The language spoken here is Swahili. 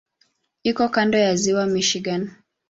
Iko kando ya Ziwa Michigan.